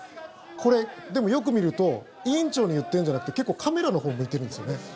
これ、でもよく見ると委員長に言ってるんじゃなくて結構カメラのほう向いてるんですよね。